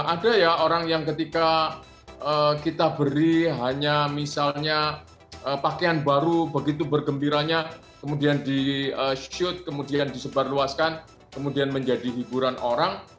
ada ya orang yang ketika kita beri hanya misalnya pakaian baru begitu bergembiranya kemudian di shoot kemudian disebarluaskan kemudian menjadi hiburan orang